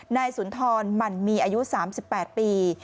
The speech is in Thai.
นายสุนทรหมั่นมีอายุ๓๘ปี